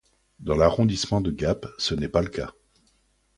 Dans l'arrondissement de Gap, ce n'est pas le cas.